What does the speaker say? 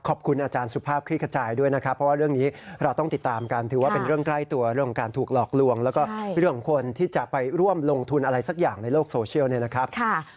ขอบคุณอาจารย์สุภาพคลิกขจายด้วยนะครับเพราะว่าเรื่องนี้เราต้องติดตามกันถือว่าเป็นเรื่องใกล้ตัวเรื่องของการถูกหลอกลวงแล้วก็เรื่องของคนที่จะไปร่วมลงทุนอะไรสักอย่างในโลกโซเชียลเนี่ยนะครับ